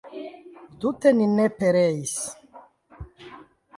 Tute ni ne pereis!